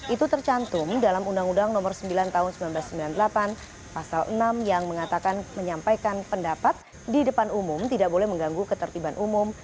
itu tercantum dalam undang undang nomor sembilan tahun seribu sembilan ratus sembilan puluh delapan pasal enam yang mengatakan menyampaikan pendapat di depan umum tidak boleh mengganggu ketertiban umum